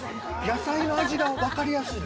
野菜の味がわかりやすい。